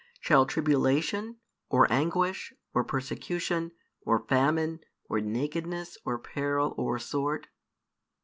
Shall tribulation, or anguish, or persecution, or famine, or nakedness, or peril, or sword?